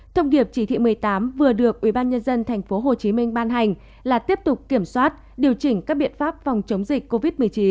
thông điệp chỉ thị một mươi tám vừa được ubnd tp hcm ban hành là tiếp tục kiểm soát điều chỉnh các biện pháp phòng chống dịch covid một mươi chín